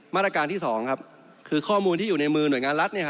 มาตรการที่๒ครับคือข้อมูลที่อยู่ในมือหน่วยงานรัฐ